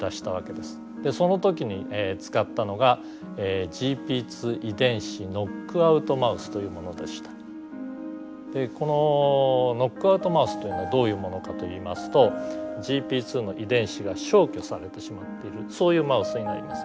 その時に使ったのがこのノックアウトマウスというのはどういうものかといいますとＧＰ２の遺伝子が消去されてしまっているそういうマウスになります。